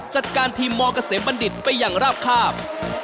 จัดการทีมมเกษมบัณฑิตไปอย่างราบคาบ